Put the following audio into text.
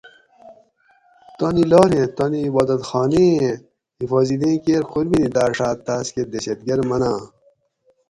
تانی لاریں تانی عبادتخانہ ایں حفاظتیں کیر قربینی داۤڛات تاۤس کہ دہشت گرد مناۤں؟